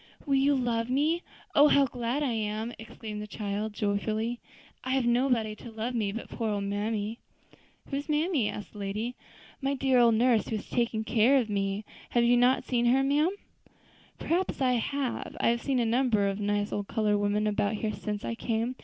"Will you love me? Oh! how glad I am," exclaimed the child joyfully; "I have nobody to love me but poor old mammy." "And who is mammy?" asked the lady. "My dear old nurse, who has always taken care of me. Have you not seen her, ma'am?" "Perhaps I may. I have seen a number of nice old colored women about here since I came.